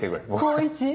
高１。